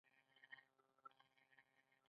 هم مستقیم لګول کیږي او هم په تولید کې کاریږي.